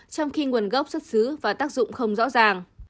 trong khi nguồn gốc xuất xứ và tác dụng không rõ ràng